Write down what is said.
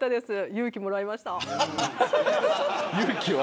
勇気もらいました。